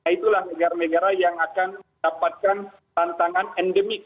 itulah negara negara yang akan mendapatkan tantangan endemik